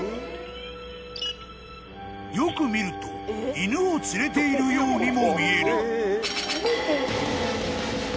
［よく見ると犬を連れているようにも見える］